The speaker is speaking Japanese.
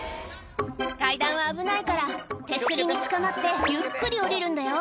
階段は危ないから手すりにつかまってゆっくり下りるんだよ